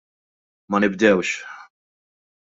Ma nibdewx!